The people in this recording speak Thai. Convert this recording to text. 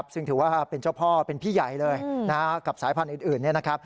ซึ่งถือว่าเป็นเจ้าพ่อเป็นพี่ใหญ่เลยกับสายพันธุ์อื่น